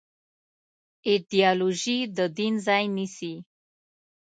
ایدیالوژي د دین ځای نيسي.